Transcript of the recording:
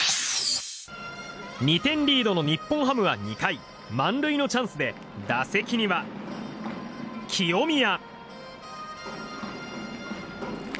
２点リードの日本ハムは２回満塁のチャンスで打席には、清宮。